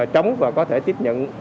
chống và có thể tiếp nhận